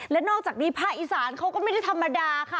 และนอกจากนี้ภาคอีสานเขาก็ไม่ได้ธรรมดาค่ะ